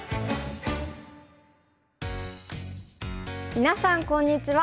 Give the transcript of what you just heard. みなさんこんにちは。